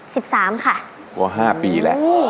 สิบสามค่ะเพราะว่าห้าปีแหละ